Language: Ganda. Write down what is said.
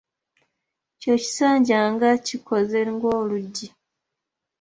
Kye kisanja nga kikoze ng'oluggi.